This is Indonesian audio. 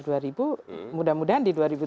dua ribu mudah mudahan di